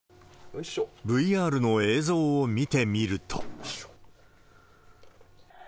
ＶＲの映像を見てみると。